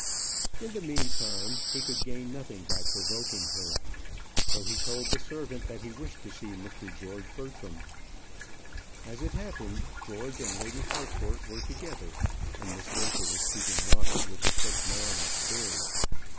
In the meantime, he could gain nothing by provoking her. So he told the servant that he wished to see Mr. George Bertram. As it happened, George and Lady Harcourt were together, and Miss Baker was keeping watch with the sick man upstairs.